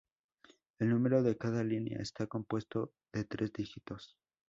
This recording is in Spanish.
El número de cada línea está compuesto de tres dígitos.